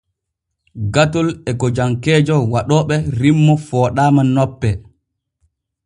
Gatol e gojankeejo waɗooɓe rimmo fooɗaama nope.